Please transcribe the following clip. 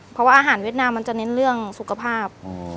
เพราะว่าอาหารเวียดนามมันจะเน้นเรื่องสุขภาพ